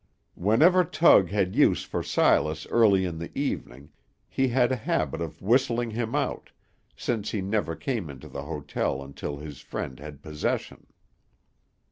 Whenever Tug had use for Silas early in the evening, he had a habit of whistling him out, since he never came into the hotel until his friend had possession.